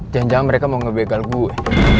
jangan jangan mereka mau ngebegal gue